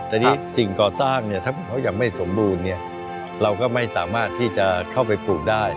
แต่นี่สิ่งก่อสร้างเนี่ยถ้าเขายังไม่สมบูรณ์เราก็ไม่สามารถที่จะเข้าไปปลูกได้